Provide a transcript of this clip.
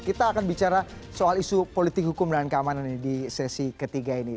kita akan bicara soal isu politik hukum dan keamanan ini di sesi ketiga ini